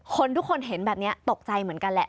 ทุกคนเห็นแบบนี้ตกใจเหมือนกันแหละ